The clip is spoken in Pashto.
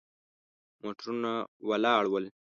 موټرونه ولاړ ول.